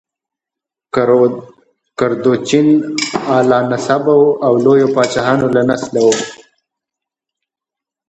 کردوچین اعلی نسبه وه او د لویو پاچاهانو له نسله وه.